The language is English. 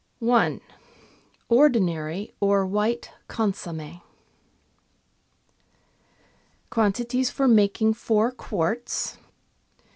I— ORDINARY OR WHITE CONSOMME Quantities for making Four Quarts.